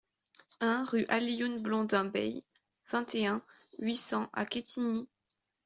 un rue Alioune Blondin Beye, vingt et un, huit cents à Quetigny